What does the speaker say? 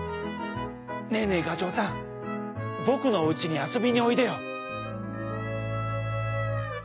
ねえねえがちょうさんぼくのおうちにあそびにおいでよ！」。